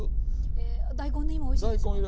え大根ね今おいしいですよね。